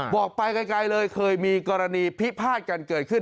บอกไปไกลเลยเคยมีกรณีพิพาทกันเกิดขึ้น